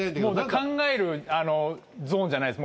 考えるゾーンじゃないです。